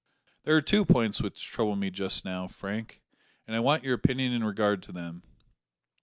"There are two points which trouble me just now, Frank, and I want your opinion in regard to them.